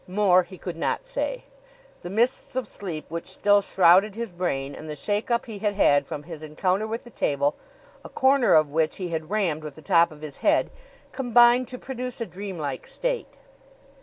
More he could not say. The mists of sleep, which still shrouded his brain, and the shake up he had had from his encounter with the table, a corner of which he had rammed with the top of his head, combined to produce a dreamlike state.